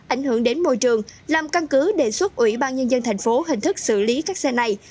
ảnh hưởng đến môi trường làm căn cứ đề xuất ủy ban nhân dân thành phố hình thức xử lý các xe này